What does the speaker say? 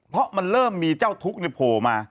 เพราะมันเริ่มมีเจ้าทุกข์โผล่มา